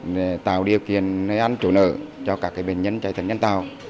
để tạo điều kiện nơi ăn chủ nợ cho các bệnh nhân chạy thận nhân tạo